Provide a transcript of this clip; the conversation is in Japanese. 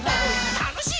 たのしい